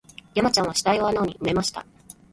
山ちゃんは死体を穴に埋めました